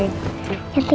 saya ngomong sebentar